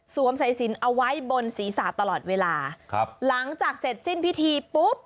สายสินเอาไว้บนศีรษะตลอดเวลาครับหลังจากเสร็จสิ้นพิธีปุ๊บ